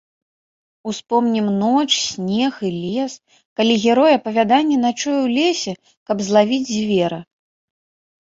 Успомнім ноч, снег і лес, калі герой апавядання начуе ў лесе, каб злавіць звера.